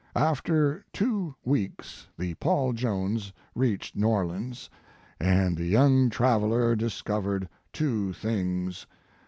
4 After two weeks the Paul Jones reached New Orleans, and the young traveler discovered two things.